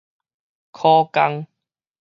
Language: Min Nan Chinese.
苦工